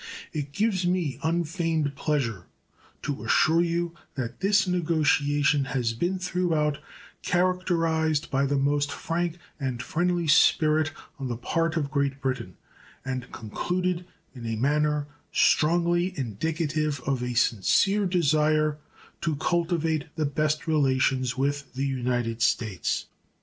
It gives me unfeigned pleasure to assure you that this negotiation has been throughout characterized by the most frank and friendly spirit on the part of Great Britain, and concluded in a manner strongly indicative of a sincere desire to cultivate the best relations with the United States.